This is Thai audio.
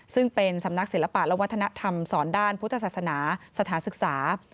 ซึ่งเป็นสำนักศิลปะและวัฒนธรรมสอนด้านพุทธศาสนาสถานศึกษา